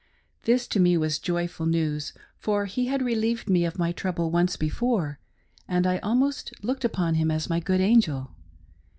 This to me was joyful news, for he had relieved me of my trouble once before, and I almost looked upon him as my good angel.